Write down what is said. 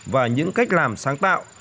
và những cách làm sáng tạo